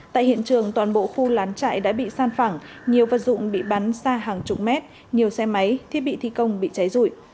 tại hiện trường toàn bộ khu lán trại đã bị san phẳng nhiều vật dụng bị bắn xa hàng chục mét nhiều xe máy thiết bị thi công bị cháy rụi